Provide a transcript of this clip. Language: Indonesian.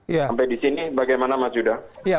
sampai di sini bagaimana mas yuda